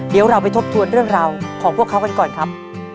เดี๋ยวเราไปทบทวนเรื่องราวของพวกเขากันก่อนครับ